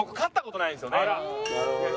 なるほど。